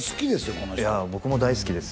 この人僕も大好きです